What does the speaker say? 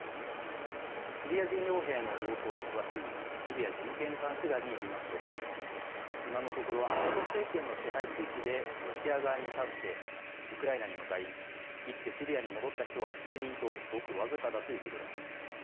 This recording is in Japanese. シリア人よう兵の動向に詳しいシリア人権監視団によりますと今のところアサド政権の支配地域でロシア側に立ってウクライナに向かい生きてシリアに戻った人は数人とごく僅かだということです。